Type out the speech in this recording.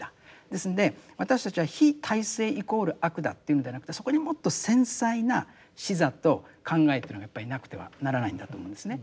ですんで私たちは非体制イコール悪だというのではなくてそこにもっと繊細な視座と考えというのがやっぱりなくてはならないんだと思うんですね。